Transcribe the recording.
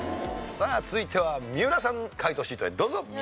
さあ続いては三浦さん解答シートへどうぞ。